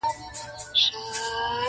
• چي له ډېري خاموشۍ یې غوغا خېژې,